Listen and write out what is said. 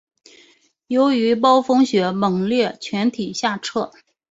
由于暴风雪猛烈全体下撤。